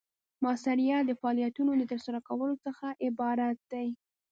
مؤثریت د فعالیتونو د ترسره کولو څخه عبارت دی.